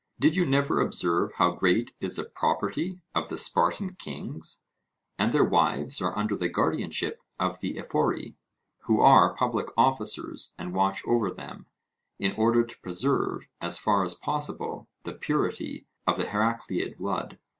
Did you never observe how great is the property of the Spartan kings? And their wives are under the guardianship of the Ephori, who are public officers and watch over them, in order to preserve as far as possible the purity of the Heracleid blood.